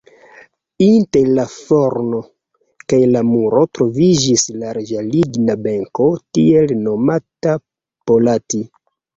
Inter la forno kaj la muro troviĝis larĝa ligna benko, tiel nomata "polati".